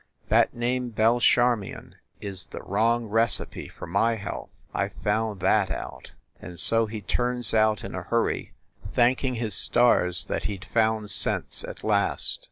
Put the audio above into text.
That name Belcharmion is the wrong recipe for my health, I ve found that out!" And so he turns out in a hurry, thanking his stars that he d found sense at last.